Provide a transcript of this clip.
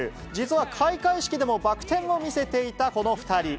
実は開会式でもバク転を見せていたこの２人。